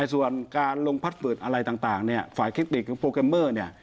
ไอ้ส่วนการลงพัดบืนอะไรต่างต่างเนี่ยฝ่ายเคล็กติกหรือโปรแกรมเมอร์เนี่ย